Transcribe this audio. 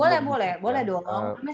boleh boleh dong